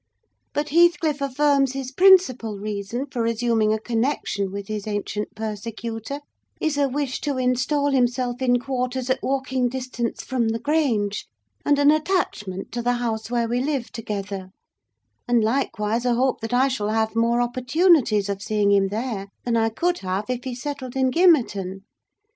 But Heathcliff affirms his principal reason for resuming a connection with his ancient persecutor is a wish to install himself in quarters at walking distance from the Grange, and an attachment to the house where we lived together; and likewise a hope that I shall have more opportunities of seeing him there than I could have if he settled in Gimmerton.